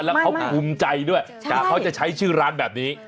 แล้วเขาภูมิใจด้วยจากเขาจะใช้ชื่อร้านแบบนี้